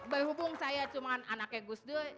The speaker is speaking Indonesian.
baik hubung saya cuma anaknya gusdur